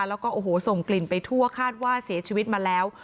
แล้วก็โอ้โหส่งกลิ่นไปทั่วคาดว่าเสียชีวิตมาแล้ว